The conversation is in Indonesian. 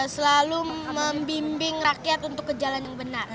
selalu membimbing rakyat untuk ke jalan yang benar